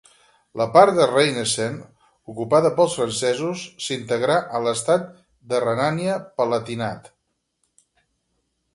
La part de Rheinhessen, ocupada pels francesos, s'integrà a l'estat de Renània-Palatinat.